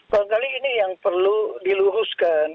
barangkali ini yang perlu diluruskan